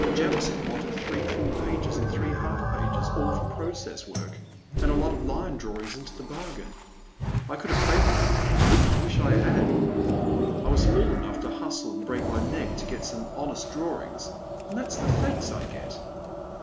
'' Jamison wanted three full pages and three half pages, all for process work, and a lot of line drawings into the bargain. I could have faked them — I wish I had. I was fool enough to hustle and break my neck to get some honest drawings, and that 's the thanks I get